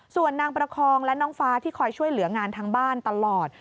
ส่วนนางประคองและน้องฟ้าที่คอยช่วยเหลืองานทางบ้านตลอด